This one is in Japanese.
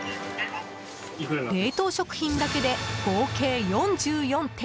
冷凍食品だけで合計４４点。